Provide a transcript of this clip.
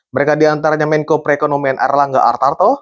mereka diantaranya menko perekonomian erlangga artarto